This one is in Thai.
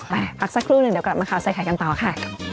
พักสักครู่หนึ่งเดี๋ยวกลับมาข่าวใส่ไข่กันต่อค่ะ